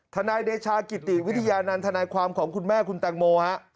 นายเดชากิติวิทยานันทนายความของคุณแม่คุณแตงโมฮะ